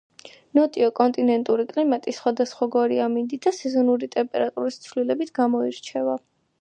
ნოტიო კონტინენტური კლიმატი სხვადასხვაგვარი ამინდით და სეზონური ტემპერატურის ცვლილებით გამოირჩევა.